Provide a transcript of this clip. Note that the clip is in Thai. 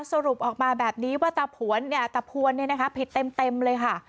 สรุปออกมาแบบนี้ว่าตาผวนตะพวนผิดเต็มเลยค่ะ